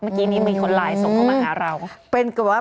เมื่อกี้นี้มีคนไลน์ส่งเข้ามาหาเรา